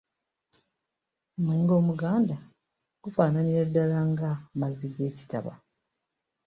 Omwenge Omuganda gufaananira dala ng’amazzi ag’ekitaba.